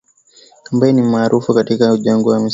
ambaye ni maarufu katikati ya jangwa anasema